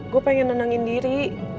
gue pengen nenangin diri